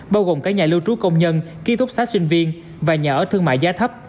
bao gồm cả nhà lưu trú công nhân ký túc xá sinh viên và nhà ở thương mại giá thấp